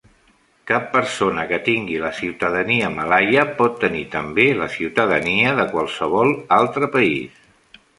Cap persona que tingui la ciutadania malaia pot tenir també la ciutadania de qualsevol altre país.